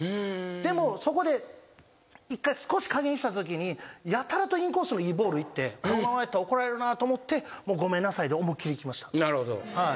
でもそこで一回少し加減したときにやたらとインコースのいいボールいってこのままやったら怒られるなと思ってごめんなさいで思いっ切りいきました。